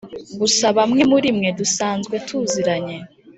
gusa bamwe murimwe dusanzwe tuziranye.